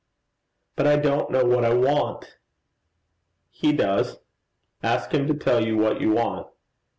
'But I don't know what I want.' 'He does: ask him to tell you what you want.